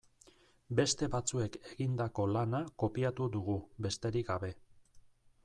Beste batzuek egindako lana kopiatu dugu, besterik gabe.